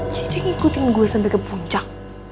jadi ngikutin gue sampe ke puncak